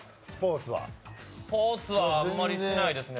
スポーツはあんまりしないですね。